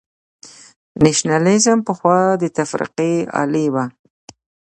نېشنلېزم پخوا د تفرقې الې وه.